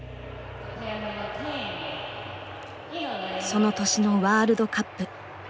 その年のワールドカップ。